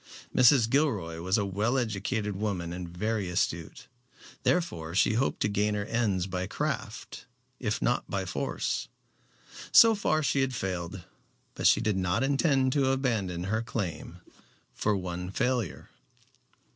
Mrs. Gilroy was a well educated woman and very astute, therefore she hoped to gain her ends by craft if not by force. So far she had failed, but she did not intend to abandon her claim for one failure.